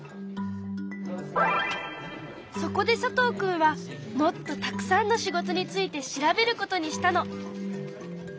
そこで佐藤くんはもっとたくさんの仕事について調べることにしたの。